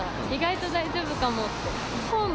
意外と大丈夫かもって。